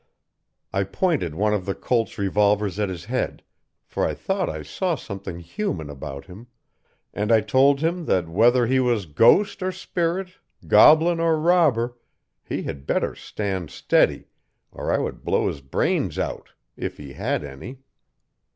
I pointed one of Colt's revolvers at his head, for I thought I saw something human about him; and I told him that whether he was ghost or spirit, goblin or robber, he had better stand steady, or I would blow his brains out, if he had any.